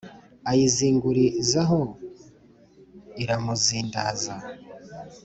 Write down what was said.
Ayizingurizaho iramuzindaza